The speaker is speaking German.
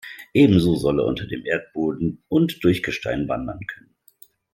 Ebenso soll er unter dem Erdboden und durch Gestein wandern können.